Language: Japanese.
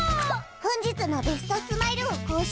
本日のベストスマイルを更新。